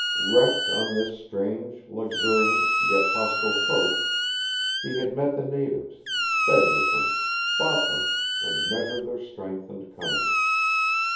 Wrecked on this strange, luxuriant, yet hostile coast, he had met the natives, fed with them, fought them, and measured their strength and cunning.